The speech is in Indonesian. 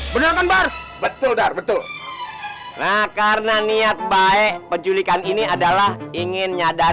beneran bar betul dar betul nah karena niat baik penculikan ini adalah ingin nyadar